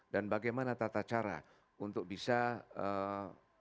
dan bagaimana tata cara untuk bisa memberikan sumbangan bagi upaya pertahanan keamanan negara